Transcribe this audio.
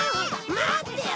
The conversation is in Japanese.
待ってよ